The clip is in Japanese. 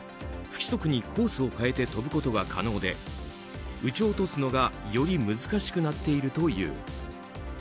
不規則にコースを変えて飛ぶことが可能で撃ち落とすのがより難しくなっているという。